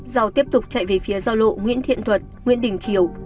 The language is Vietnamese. do tiếp tục chạy về phía giao lộ nguyễn thiện thuật nguyễn đình triều